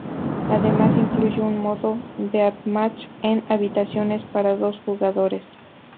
Además incluye un modo deathmatch en habitaciones para dos jugadores.